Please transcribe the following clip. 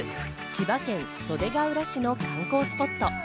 千葉県袖ケ浦市の観光スポット。